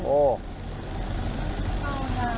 โอ้โห